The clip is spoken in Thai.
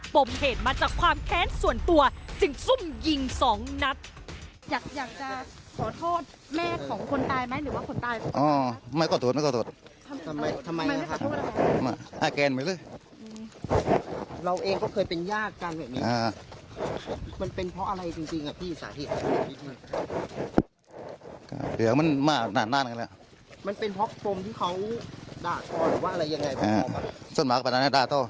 ปมเหตุมาจากความแค้นส่วนตัวซึ่งซุ่มยิงสองนัด